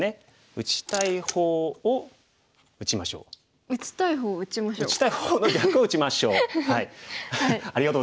「打ちたい方の逆を打ちましょう」。